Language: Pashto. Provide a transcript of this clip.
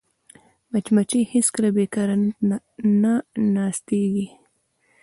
مچمچۍ هېڅکله بیکاره نه ناستېږي